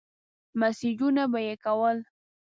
مسېجونه به يې کول.